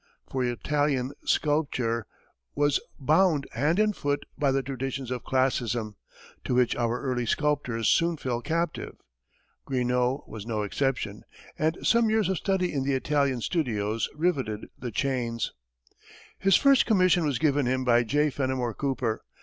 For Italian sculpture was bound hand and foot by the traditions of classicism, to which our early sculptors soon fell captive. Greenough was no exception, and some years of study in the Italian studios rivetted the chains. His first commission was given him by J. Fenimore Cooper.